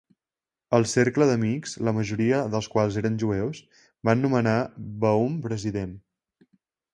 El cercle d'amics, la majoria dels quals eren jueus, van nomenar Baum president.